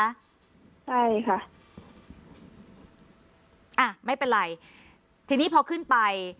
ใช่ค่ะอ่ะไม่เป็นไรทีนี้พอขึ้นไป